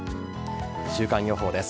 週間予報です。